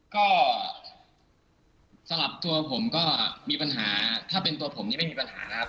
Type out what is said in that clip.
ก็สำหรับตัวผมก็มีปัญหาถ้าเป็นตัวผมนี่ไม่มีปัญหานะครับ